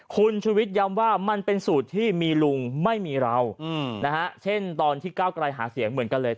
คุณชุวิตย้ำว่ามันเป็นสูตรที่มีลุงไม่มีเราเช่นตอนที่ก้าวไกลหาเสียงเหมือนกันเลย